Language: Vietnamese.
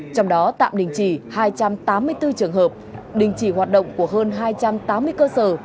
trong đó tạm đình chỉ hai trăm tám mươi bốn trường hợp đình chỉ hoạt động của hơn hai trăm tám mươi cơ sở